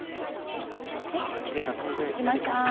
わあきれいな卵焼きができました。